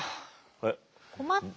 困った？